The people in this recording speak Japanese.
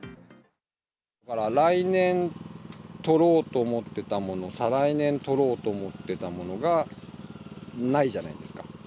来年取ろうと思ってたもの、再来年取ろうと思っていたものが、ないじゃないですか。